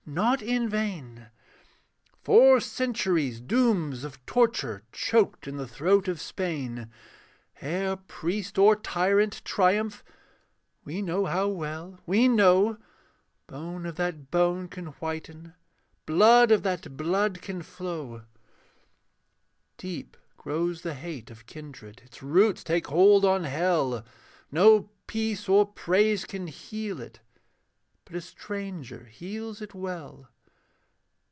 not in vain, Four centuries' dooms of torture Choked in the throat of Spain, Ere priest or tyrant triumph We know how well we know Bone of that bone can whiten, Blood of that blood can flow. Deep grows the hate of kindred, Its roots take hold on hell; No peace or praise can heal it, But a stranger heals it well.